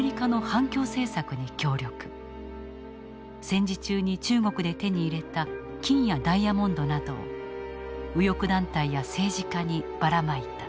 戦時中に中国で手に入れた金やダイヤモンドなどを右翼団体や政治家にばらまいた。